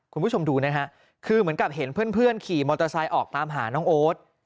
คุณผู้ชมดูนะฮะคือเหมือนกับเห็นเพื่อนขี่มอเตอร์ไซค์ออกตามหาน้องโอ๊ต